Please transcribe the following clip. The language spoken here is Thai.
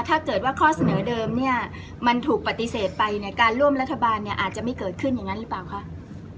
ถ้าเกิดว่าข้อเสนอเดิมเนี่ยมันถูกปฏิเสธไปเนี่ยการร่วมรัฐบาลเนี่ยอาจจะไม่เกิดขึ้นอย่างนั้นหรือเปล่าคะ